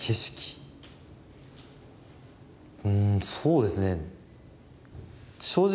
うんそうですね正直